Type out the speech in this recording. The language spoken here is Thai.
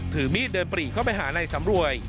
ถือมีดเดินปรีเข้าไปหานายสำรวย